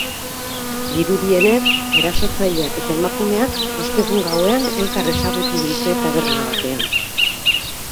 Dirudienez, erasotzaileak eta emakumeak ostegun gauean elkar ezagutu dute, taberna batean.